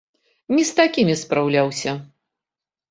Не з такімі спраўляўся.